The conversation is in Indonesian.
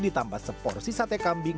ditambah seporsi sate kambing